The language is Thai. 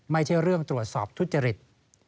ไม่เท่าเรื่องตรวจสอบทุษฎิฤทธิ์